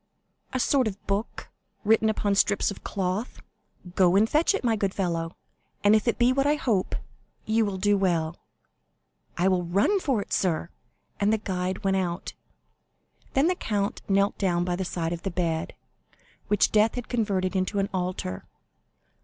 "A sort of book, written upon strips of cloth." "Go and fetch it, my good fellow; and if it be what I hope, you will do well." "I will run for it, sir;" and the guide went out. Then the count knelt down by the side of the bed, which death had converted into an altar.